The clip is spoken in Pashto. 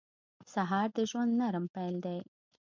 سهار د ژوند نرم پیل دی.